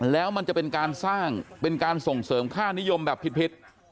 แล้วมันจะเป็นการสร้างเป็นการส่งเสริมค่านิยมแบบพิษ